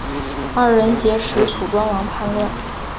二人劫持楚庄王叛乱。